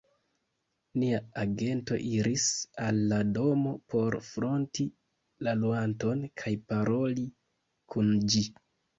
nia agento iris al la domo por fronti la luanton kaj paroli kun ĝi.